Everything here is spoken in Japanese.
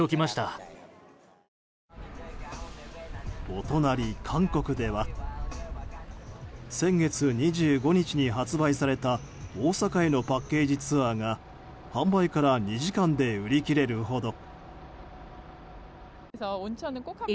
お隣、韓国では先月２５日に発売された大阪へのパッケージツアーが販売から２時間で売り切れるほど。